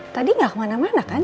tadi gak kemana mana kan